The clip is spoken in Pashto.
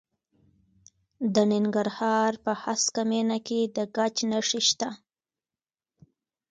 د ننګرهار په هسکه مینه کې د ګچ نښې شته.